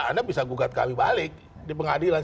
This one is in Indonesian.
anda bisa gugat kami balik di pengadilan